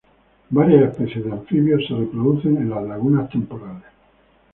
Varias especies de anfibios se reproducen en las lagunas temporales.